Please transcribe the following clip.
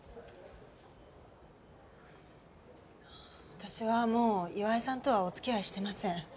私はもう岩井さんとはお付き合いしてません。